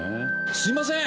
すいません！